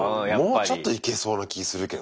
もうちょっといけそうな気するけどね。